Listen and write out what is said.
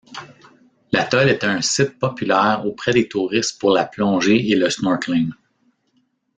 L'atoll est un site populaire auprès des touristes pour la plongée et le snorkeling.